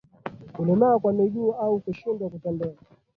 Kulemaa kwa miguu au kushindwa kutembea